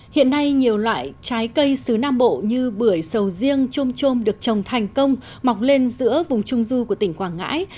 hiện nay nhiều loại trái cây xứ nam bộ như bưởi sầu riêng chôm trôm được trồng thành công mọc lên giữa vùng trung du của tỉnh quảng ngãi